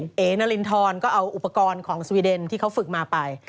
เอ๋นารินทรก็เอาอุปกรณ์ของสวีเดนที่เขาฝึกมาไป